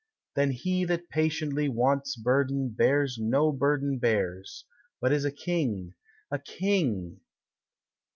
Then he that patiently want's burden bears No burden bears, but is a king, a king!